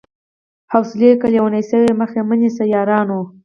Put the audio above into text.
حوصلې که ليونۍ سوې مخ يې مه نيسئ يارانو